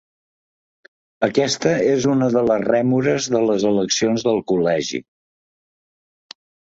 Aquesta és una de les rèmores de les eleccions del col·legi.